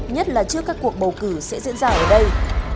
nhất là trước các cuộc bầu cử sẽ diễn ra ở đây